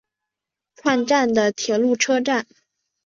串站的铁路车站。